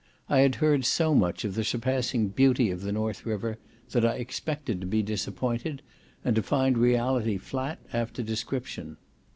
I had heard so much of the surpassing beauty of the North River, that I expected to be disappointed, and to find reality flat after description.